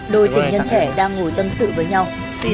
đôi tình nhân trẻ đang ngồi tâm sự với nhau